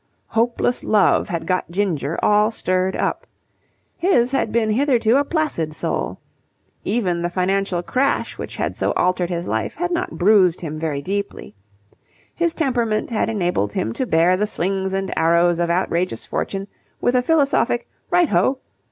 Hopeless love had got Ginger all stirred up. His had been hitherto a placid soul. Even the financial crash which had so altered his life had not bruised him very deeply. His temperament had enabled him to bear the slings and arrows of outrageous fortune with a philosophic "Right ho!"